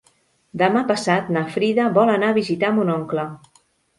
Demà passat na Frida vol anar a visitar mon oncle.